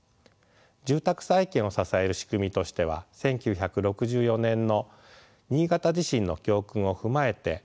住宅再建を支える仕組みとしては１９６４年の新潟地震の教訓を踏まえて設立された地震保険の仕組みもあります。